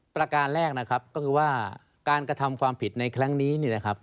ประการแรกนะครับก็คือว่าการกระทำความผิดในครั้งนี้เนี่ยนะครับ